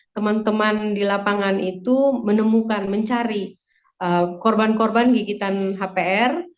teman teman di lapangan itu menemukan mencari korban korban gigitan hpr